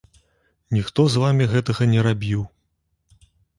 Ніхто з вамі гэтага не рабіў.